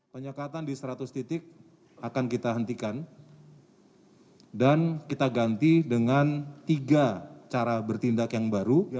penyekatan di seratus titik akan kita hentikan dan kita ganti dengan tiga cara bertindak yang baru